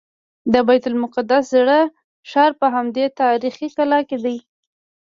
د بیت المقدس زوړ ښار په همدې تاریخي کلا کې دی.